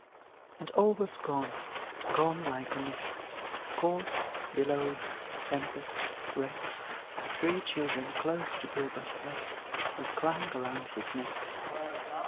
And all was gone gone like a mist, Corse, billows, tempest, wreck; Three children close to Gilbert prest And clung around his neck.